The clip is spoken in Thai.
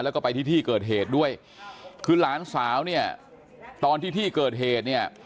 แล้วก็ไปที่ที่เกิดเหตุด้วยคือหลานสาวเนี่ยตอนที่ที่เกิดเหตุเนี่ย